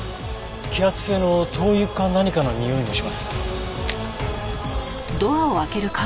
揮発性の灯油か何かのにおいもします。